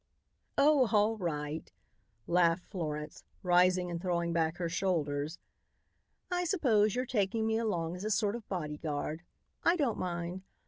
"Oh, all right," laughed Florence, rising and throwing back her shoulders. "I suppose you're taking me along as a sort of bodyguard. I don't mind.